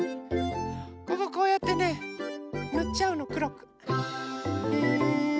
こここうやってねぬっちゃうのくろく。